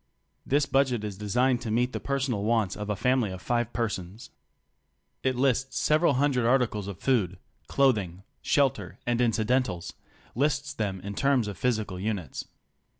This budget is designed to meet the personal wants of a family of five persons. It lists several hundred articles of food, clothing, shelter and incidentals — lists them in terms of physical units.